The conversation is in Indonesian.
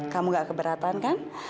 kamu gak keberatan kan